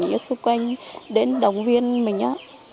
ở xung quanh đến đồng viên mình á